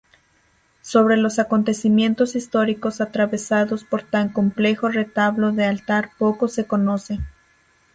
Sobre los acontecimientos históricos atravesados por tan complejo retablo de altar poco se conoce.